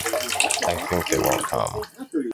I think they won’t come.